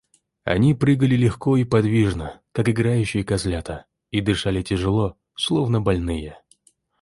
Они прыгали легко и подвижно, как играющие козлята, и дышали тяжело, словно больные.